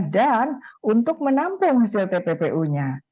dan untuk menampung hasil pt ppu nya